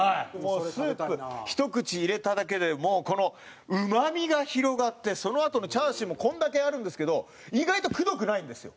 スープひと口入れただけでもうこのうまみが広がってそのあとのチャーシューもこれだけあるんですけど意外とくどくないんですよ。